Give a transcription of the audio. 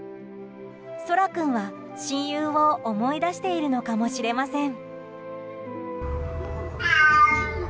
ソラ君は、親友を思い出しているのかもしれません。